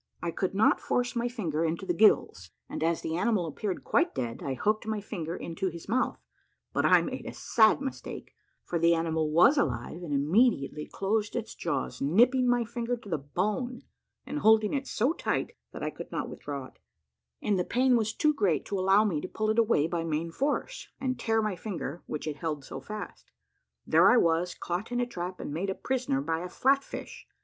I could not force my finger into the gills; and as the animal appeared quite dead, I hooked my finger into his mouth; but I made a sad mistake, for the animal was alive, and immediately closed its jaws, nipping my finger to the bone, and holding it so tight that I could not withdraw it, and the pain was too great to allow me to pull it away by main force, and tear my finger, which it held so fast. There I was, caught in a trap, and made a prisoner by a flatfish.